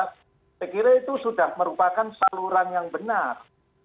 saya kira itu sudah merupakan saluran yang benar